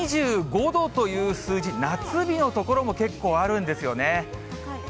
２５度という数字、夏日の所も結構あるんですよね。